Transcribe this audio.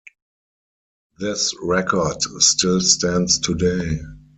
This record still stands today.